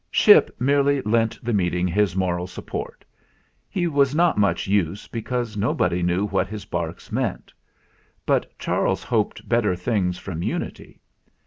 Ship merely lent the meeting his moral sup port: he was not much use, because nobody knew what his barks meant ; but Charles hoped better things from Unity.